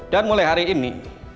dan mulai hari ini